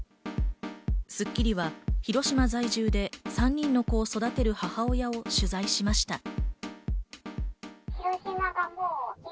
『スッキリ』は広島在住で３人の子を育てる母親を取材しました。